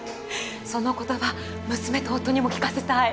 その言葉娘と夫にも聞かせたい